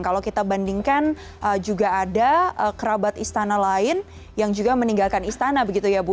kalau kita bandingkan juga ada kerabat istana lain yang juga meninggalkan istana begitu ya bu